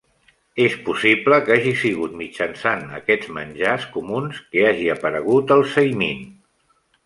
És possible que hagi sigut mitjançant aquests menjars comuns que hagi aparegut el saimin.